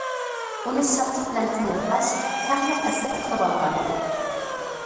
ئۇنى شادلىق بىلەن تېڭىرقاش تەڭلا ئەسىر قىلىۋالغانىدى.